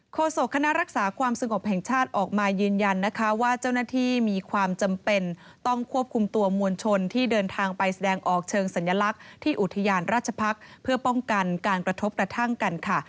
โศกคณะรักษาความสงบแห่งชาติออกมายืนยันนะคะว่าเจ้าหน้าที่มีความจำเป็นต้องควบคุมตัวมวลชนที่เดินทางไปแสดงออกเชิงสัญลักษณ์ที่อุทยานราชพักษ์เพื่อป้องกันการกระทบกระทั่งกันค่ะ